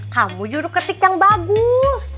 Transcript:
kamu juru ketik yang bagus